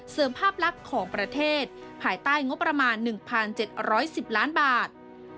ภาพลักษณ์ของประเทศภายใต้งบประมาณ๑๗๑๐ล้านบาท